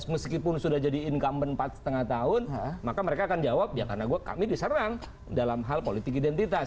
meskipun sudah jadi incumbent empat lima tahun maka mereka akan jawab ya karena kami diserang dalam hal politik identitas